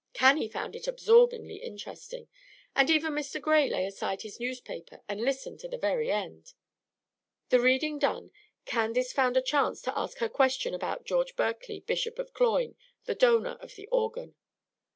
Cannie found it absorbingly interesting, and even Mr. Gray laid aside his newspaper and listened to the very end. The reading done, Candace found a chance to ask her question about George Berkeley, Bishop of Cloyne, the donor of the organ.